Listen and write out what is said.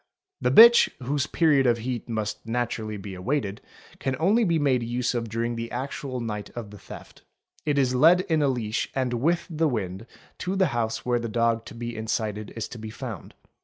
The bitch, whose period of heat must naturally be awaited, can only be made use of during the actual night of the theft; it is led in a leash and with the wind to the house where the dog to be incited is to be found.